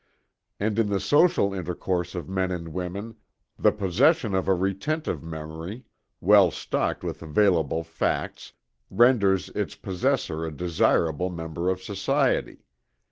And in the social intercourse of men and women, the possession of a retentive memory, well stocked with available facts, renders its possessor a desirable member of society.